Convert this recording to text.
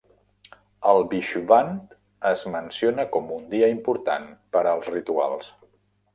El "vishuvant" es menciona com un dia important per als rituals.